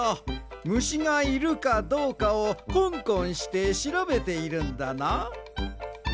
むしがいるかどうかをコンコンしてしらべているんだな。